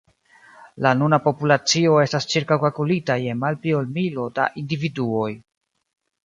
La nuna populacio estas ĉirkaŭkalkulita je malpli ol milo da individuoj.